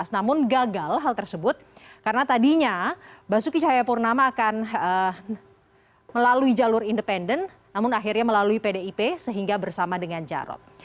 namun gagal hal tersebut karena tadinya basuki cahayapurnama akan melalui jalur independen namun akhirnya melalui pdip sehingga bersama dengan jarod